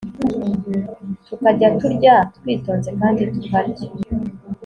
tukajya turya twitonze kandi tukarya